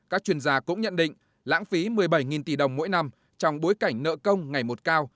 các chuyên gia cũng nhận định lãng phí một mươi bảy tỷ đồng mỗi năm trong bối cảnh nợ công ngày một cao